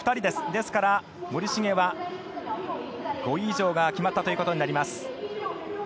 ですから、森重は５位以上が決まったということになります。